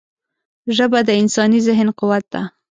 ژبه د انساني ذهن قوت ده